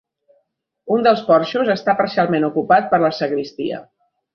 Un dels porxos està parcialment ocupat per la sagristia.